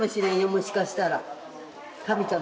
もしかしたら。